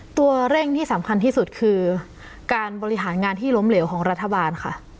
ตัวเร่งที่สำคัญที่สุดคือการบริหารงานที่ล้มเหลวของรัฐบาลค่ะ